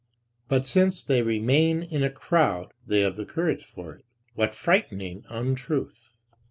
But since they remain in a crowd, they have the courage for it what frightening untruth.